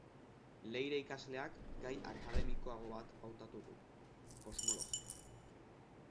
Leire ikasleak, gai akademikoago bat hautatu du: kosmologia.